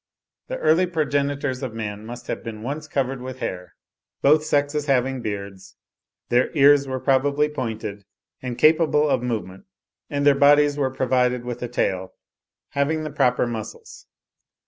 The early progenitors of man must have been once covered with hair, both sexes having beards; their ears were probably pointed, and capable of movement; and their bodies were provided with a tail, having the proper muscles.